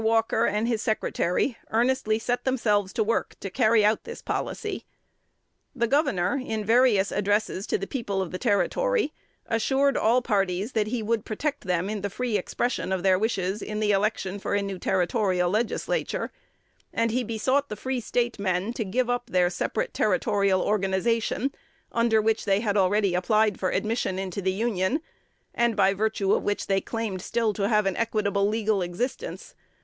Walker and his secretary earnestly set themselves to work to carry out this policy. The governor, in various addresses to the people of the Territory, assured all parties that he would protect them in the free expression of their wishes in the election for a new Territorial legislature; and he besought the Free State men to give up their separate Territorial organization, under which they had already applied for admission into the Union, and by virtue of which they claimed still to have an equitable legal existence.